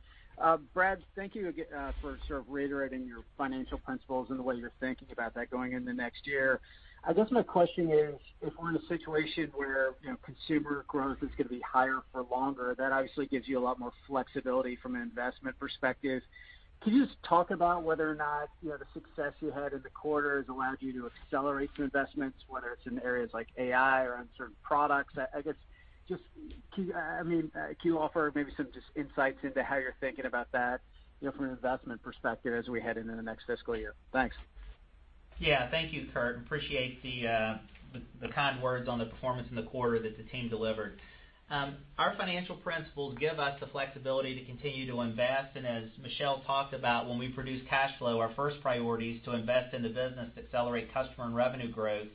Brad, thank you for sort of reiterating your financial principles and the way you're thinking about that going into next year. I guess my question is, if we're in a situation where consumer growth is going to be higher for longer, that obviously gives you a lot more flexibility from an investment perspective. Can you just talk about whether or not the success you had in the quarter has allowed you to accelerate your investments, whether it's in areas like AI or on certain products? I guess, can you offer maybe some insights into how you're thinking about that from an investment perspective as we head into the next fiscal year? Thanks. Thank you, Kirk. Appreciate the kind words on the performance in the quarter that the team delivered. Our financial principles give us the flexibility to continue to invest. As Michelle talked about, when we produce cash flow, our first priority is to invest in the business to accelerate customer and revenue growth.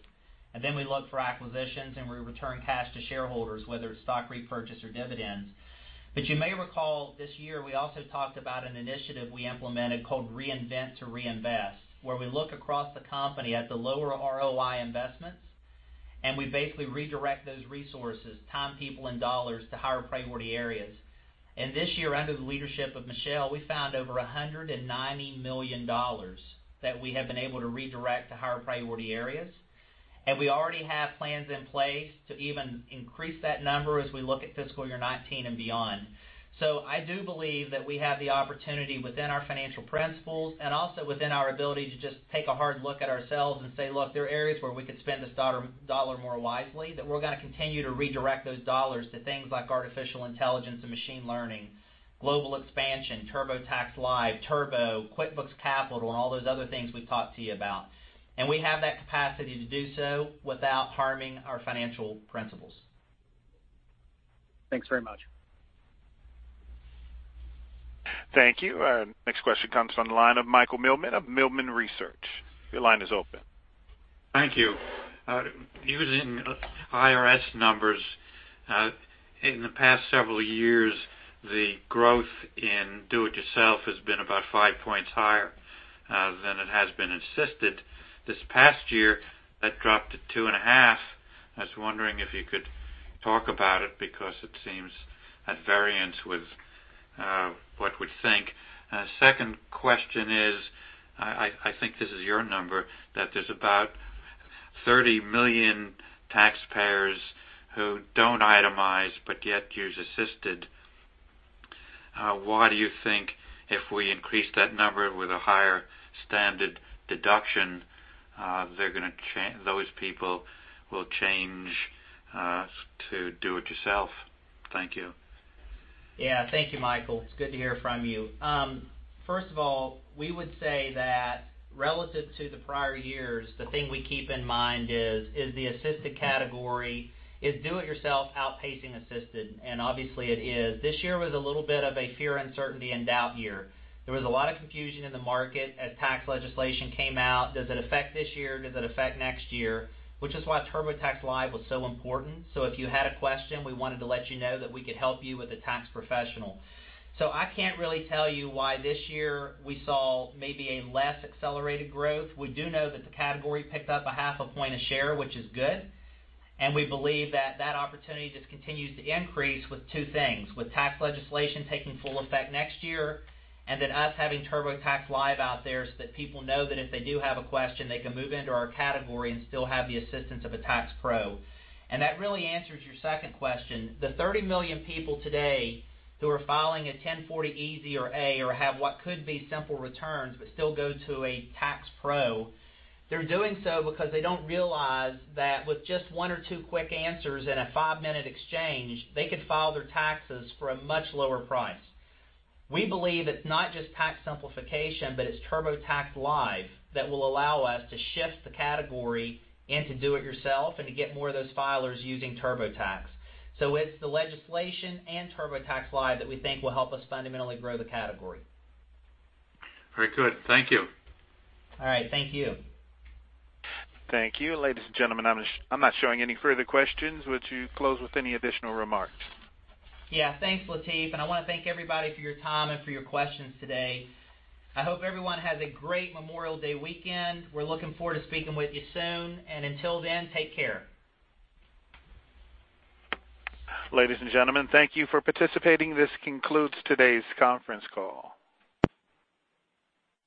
Then we look for acquisitions, and we return cash to shareholders, whether it's stock repurchase or dividends. You may recall this year, we also talked about an initiative we implemented called Reinvent-to-Reinvest, where we look across the company at the lower ROI investments. We basically redirect those resources, time, people, and dollars, to higher priority areas. This year, under the leadership of Michelle, we found over $190 million that we have been able to redirect to higher priority areas. We already have plans in place to even increase that number as we look at fiscal year 2019 and beyond. I do believe that we have the opportunity within our financial principles and also within our ability to just take a hard look at ourselves and say, look, there are areas where we could spend this dollar more wisely, that we're going to continue to redirect those dollars to things like artificial intelligence and machine learning, global expansion, TurboTax Live, Turbo, QuickBooks Capital, and all those other things we've talked to you about. We have that capacity to do so without harming our financial principles. Thanks very much. Thank you. Our next question comes from the line of Michael Millman of Millman Research. Your line is open. Thank you. Using IRS numbers, in the past several years, the growth in do it yourself has been about five points higher than it has been assisted. This past year, that dropped to two and a half. I was wondering if you could talk about it because it seems at variance with what we'd think. Second question is, I think this is your number, that there's about 30 million taxpayers who don't itemize, but yet use assisted. Why do you think if we increase that number with a higher standard deduction, those people will change to do it yourself? Thank you. Yeah. Thank you, Michael. It's good to hear from you. First of all, we would say that relative to the prior years, the thing we keep in mind is the assisted category, is do it yourself outpacing assisted? Obviously it is. This year was a little bit of a fear, uncertainty, and doubt year. There was a lot of confusion in the market as tax legislation came out. Does it affect this year? Does it affect next year? Which is why TurboTax Live was so important. If you had a question, we wanted to let you know that we could help you with a tax professional. I can't really tell you why this year we saw maybe a less accelerated growth. We do know that the category picked up a half a point a share, which is good. We believe that that opportunity just continues to increase with two things, with tax legislation taking full effect next year, then us having TurboTax Live out there so that people know that if they do have a question, they can move into our category and still have the assistance of a tax pro. That really answers your second question. The 30 million people today who are filing a 1040EZ or A or have what could be simple returns but still go to a tax pro, they're doing so because they don't realize that with just one or two quick answers in a five-minute exchange, they could file their taxes for a much lower price. We believe it's not just tax simplification, but it's TurboTax Live that will allow us to shift the category into do it yourself and to get more of those filers using TurboTax. It's the legislation and TurboTax Live that we think will help us fundamentally grow the category. Very good. Thank you. All right. Thank you. Thank you. Ladies and gentlemen, I'm not showing any further questions. Would you close with any additional remarks? Yeah. Thanks, Latif, and I want to thank everybody for your time and for your questions today. I hope everyone has a great Memorial Day weekend. We're looking forward to speaking with you soon, and until then, take care. Ladies and gentlemen, thank you for participating. This concludes today's conference call.